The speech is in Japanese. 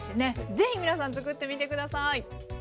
ぜひ皆さん作ってみて下さい。